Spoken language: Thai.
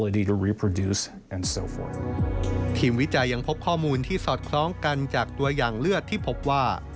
วิจัยยังพบข้อมูลที่สอดคล้องกันจากตัวอย่างเลือดที่พบว่า